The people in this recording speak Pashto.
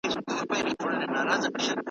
را وتلی په ژوند نه وو له ځنګلونو ,